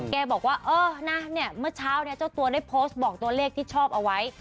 บอกว่าเออนะเนี่ยเมื่อเช้าเนี่ยเจ้าตัวได้โพสต์บอกตัวเลขที่ชอบเอาไว้